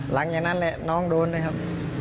หลังอย่างนั้นแหละน้องโดนนะครับ